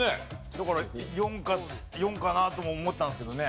だから４かなとも思ったんですけどね。